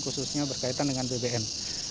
khususnya berkaitan dengan bbm